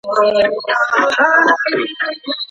که د دوی تر منځ جوړجاړی ممکن نه وو.